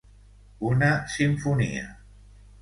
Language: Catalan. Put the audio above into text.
Una simfonia